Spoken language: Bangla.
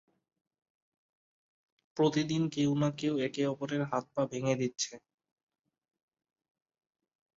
প্রতিদিনই কেউ না কেউ একে-অপরের হাত-পা ভেঙে দিচ্ছে।